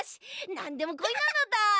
なんでもこいなのだ。